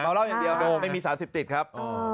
เหล้าอย่างเดียวไม่มีสารเสพติดครับ